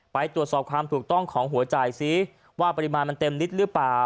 ไปตรวจสอบความถูกต้องของหัวจ่ายซิว่าปริมาณมันเต็มนิดหรือเปล่า